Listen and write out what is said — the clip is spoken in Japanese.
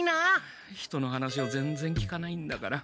人の話をぜんぜん聞かないんだから。